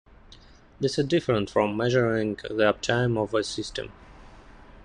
This is different from measuring the uptime of a system.